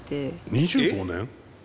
２５年？え？